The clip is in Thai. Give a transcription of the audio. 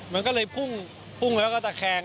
มันก็เลยพุ่งพุ่งไปแล้วก็จะแคง